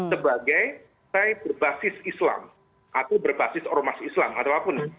sebagai saya berbasis islam atau berbasis ormas islam atau apapun